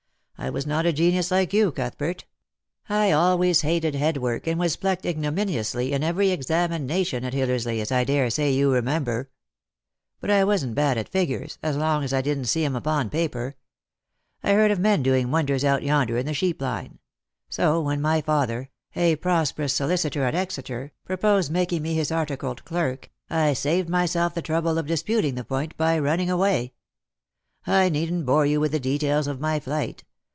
I was not a genius like you, Cuthbert. I always hated head work, and was plucked ignominiously in every examination at Hillersley, as I daresay you remember. But I wasn't bad at figures, as long as I didn't see 'em upon Lost for Love. 11 paper. I heard of men doing wonders out yonder in the sheep line ; so, when my father — a prosperous solicitor at Exeter —■ proposed making me his articled clerk, I saved myself the trouble of disputing the point, by running away. I needn't bore you with the details of my flight.